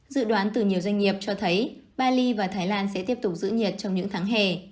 dự đoán từ nhiều doanh nghiệp cho thấy bali và thái lan sẽ tiếp tục giữ nhiệt trong những tháng hè